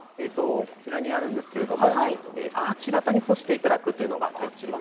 こちらにあるんですが、アーチ形に干していただくということです。